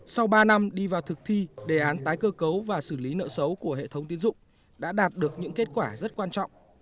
sau ba năm đi vào thực thi đề án tái cơ cấu và xử lý nợ xấu của hệ thống tiến dụng đã đạt được những kết quả rất quan trọng